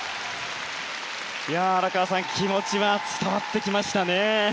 荒川さん、気持ちは伝わってきましたね。